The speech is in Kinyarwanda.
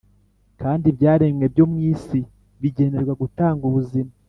kandi ibyaremwe byo mu isi bigenerwa gutanga ubuzima;